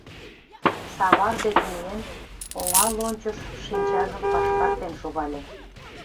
Савар дек миен, оҥа лончыш шинчажым пашкартен шогале.